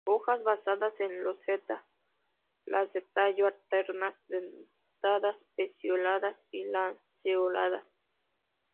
Hojas basales en roseta; las del tallo alternas, dentadas, pecioladas y lanceoladas.